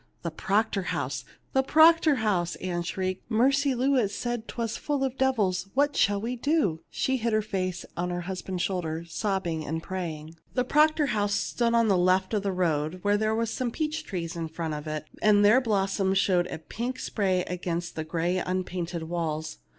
" The Proctor house ! the Proctor house !" Ann shrieked. " Mercy Lewis said 'twas full of devils. What shall we do ?" She hid her face on her husband's shoulder, sobbing and praying. The Proctor house stood at the left of the road ; there were some peach trees in front of it, and their blossoms showed in a pink spray against the gray unpainted walls.